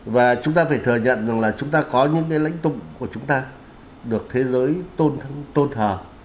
và chúng ta phải thừa nhận rằng là chúng ta có những cái lãnh tụ của chúng ta được thế giới tôn thờ